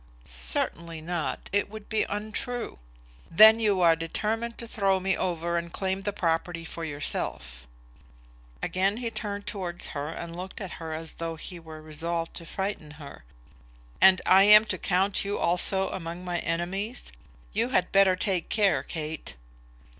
"Certainly not. It would be untrue." "Then you are determined to throw me over and claim the property for yourself." Again he turned towards and looked at her as though he were resolved to frighten her. "And I am to count you also among my enemies? You had better take care, Kate."